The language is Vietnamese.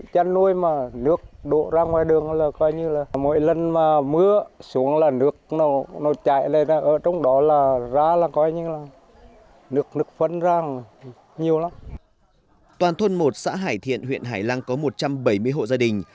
toàn thôn một xã hải thiện huyện hải lăng có một trăm bảy mươi hộ gia đình